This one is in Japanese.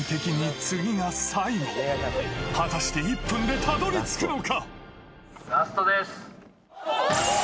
果たして１分でたどり着くのか？